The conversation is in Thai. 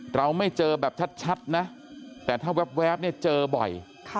เราไม่เจอแบบชัดนะแต่ถ้าแว๊บเนี่ยเจอบ่อย